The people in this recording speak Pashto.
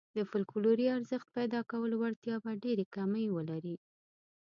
د فوکلوري ارزښت پيدا کولو وړتیا به ډېرې کمې ولري.